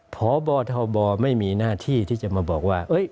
พอบ่อเท่าบ่อไม่มีหน้าที่ที่จะมาบอกว่า